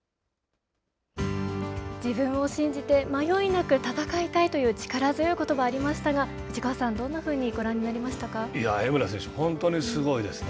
自分を信じて迷いなく戦いたいという力強いことばがありましたが藤川さん、どんなふうにいや、江村選手、すごいですね。